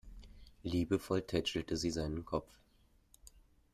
Liebevoll tätschelte sie seinen Kopf.